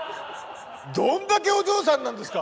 どんだけお嬢さんなんですか？